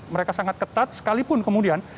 mereka sangat ketat sekalipun kemudian